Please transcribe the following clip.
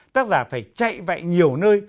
tác giả phải chạy vạy nhiều nơi